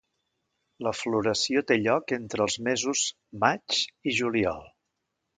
La floració té lloc entre els mesos maig i juliol.